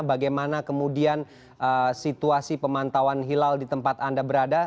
bagaimana kemudian situasi pemantauan hilal di tempat anda berada